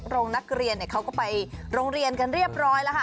โรงเรียนเขาก็ไปโรงเรียนกันเรียบร้อยแล้วค่ะ